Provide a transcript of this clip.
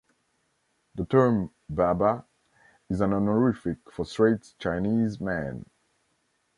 The term "Baba" is an honorific for Straits Chinese men.